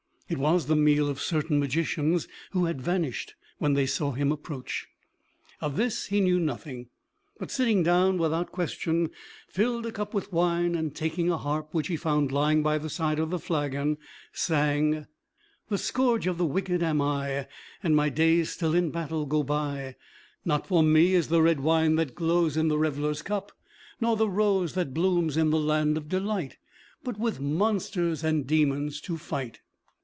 It was the meal of certain magicians, who had vanished when they saw him approach. Of this he knew nothing, but sitting down without question, filled a cup with wine, and taking a harp which he found lying by the side of the flagon, sang: "The scourge of the wicked am I, And my days still in battle go by; Not for me is the red wine that glows In the reveler's cup, nor the rose That blooms in the land of delight; But with monsters and demons to fight."